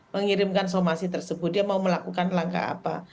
mengirimkan somasi tersebut dia mau melakukan langkah apa